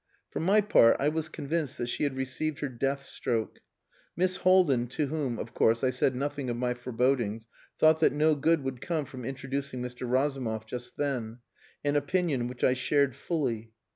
For my part, I was convinced that she had received her death stroke; Miss Haldin, to whom, of course, I said nothing of my forebodings, thought that no good would come from introducing Mr. Razumov just then, an opinion which I shared fully.